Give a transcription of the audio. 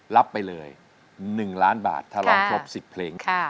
รับไปเลย๑ล้านบาทถ้าร้องครบ๑๐เพลง